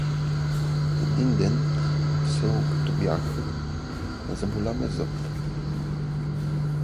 Един ден, в село като бях, заболя ме зъб.